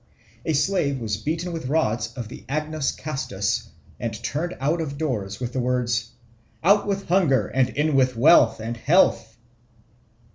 A slave was beaten with rods of the agnus castus, and turned out of doors with the words, "Out with hunger, and in with wealth and health."